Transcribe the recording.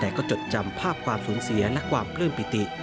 แต่ก็จดจำภาพความสูญเสียและความปลื้มปิติ